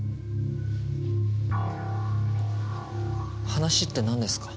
話って何ですか？